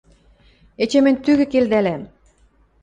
– Эче мӹнь тӱгӹ келдӓлӓм...